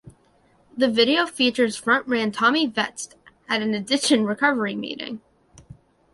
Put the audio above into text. The video features frontman Tommy Vext at an addiction recovery meeting.